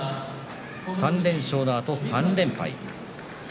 ３連勝のあと３連敗。